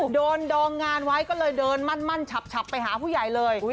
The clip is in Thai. ดองงานไว้ก็เลยเดินมั่นฉับไปหาผู้ใหญ่เลย